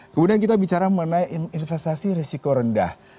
kemudian kita bicara mengenai investasi risiko rendah